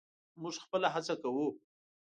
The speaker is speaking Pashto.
موږ خپله هڅه کوو.